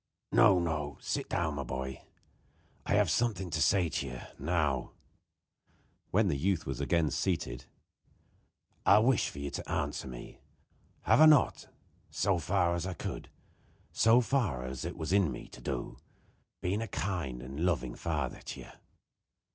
"No, no. Sit down, my boy; I have something to say to you. Now," when the youth was again seated, "I wish you to answer me. Have I not, so far as I could, so far as it was in me to do, been a kind and loving father to you?"